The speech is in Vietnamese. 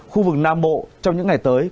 khu vực nam bộ trong những ngày tới